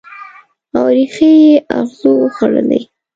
او ریښې یې اغزو وخوړلي